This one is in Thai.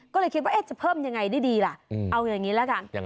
ก็เลยคิดว่าจะเพิ่มยังไงได้ดีล่ะเอาอย่างนี้ละกัน